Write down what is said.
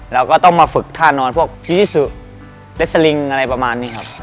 เราก็ต้องมาฝึกท่านอนพวกพีชิสุเลสลิงอะไรประมาณนี้ครับ